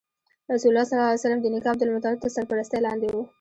رسول الله ﷺ د نیکه عبدالمطلب تر سرپرستۍ لاندې و.